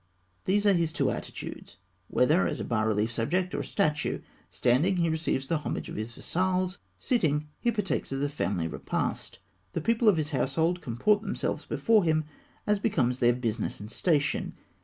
These are his two attitudes, whether as a bas relief subject or a statue. Standing, he receives the homage of his vassals; sitting, he partakes of the family repast. The people of his household comport themselves before him as becomes their business and station.